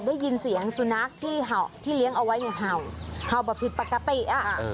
ได้ยินเสียงสุนัขที่เห่าที่เลี้ยงเอาไว้เนี่ยเห่าเห่าแบบผิดปกติอ่ะ